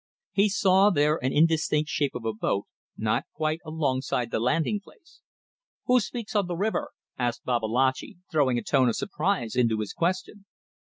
He saw there an indistinct shape of a boat, not quite alongside the landing place. "Who speaks on the river?" asked Babalatchi, throwing a tone of surprise into his question.